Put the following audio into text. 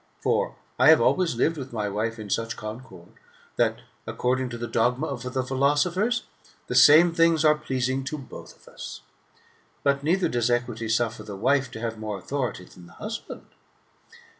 For I have always lived with my wife in such concord, that, accord ing to the dogma of the philosophers, the same things are pleasing to both of us. But neither does equity sufier the wife to have more authority than the husband."